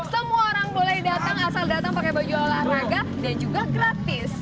semua orang boleh datang asal datang pakai baju olahraga dan juga gratis